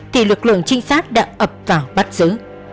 thì lực lượng trinh sát đã ập vào bắt giữ